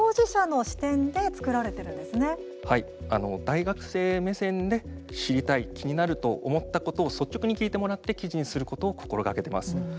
大学生目線で知りたい気になる、と思ったことを率直に聞いてもらって記事にすることを心がけてます。